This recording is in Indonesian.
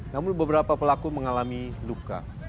namun beberapa pelaku mengalami luka